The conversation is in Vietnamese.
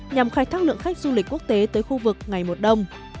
nhằm khai thác lượng khách du lịch quốc tế tới khu vực ngày một đông